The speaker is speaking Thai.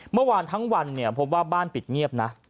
เมื่อวานทั้งวันเนี่ยพบว่าบ้านปิดเงียบนะ